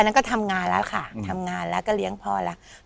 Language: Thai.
นั้นก็ทำงานแล้วค่ะทำงานแล้วก็เลี้ยงพ่อแล้ว